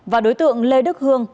và đối tượng lê đức hương